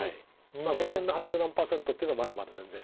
この辺の八十何パーセントっていうのはまだまだ全然。